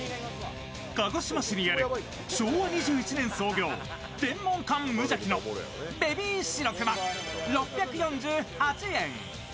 鹿児島市にある、昭和２１年創業天文館むじゃきのベビー白熊６４８円